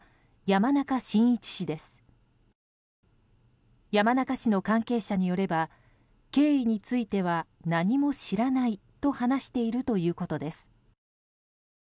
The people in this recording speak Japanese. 山中氏の関係者によれば経緯については何も知らないと話しているということです。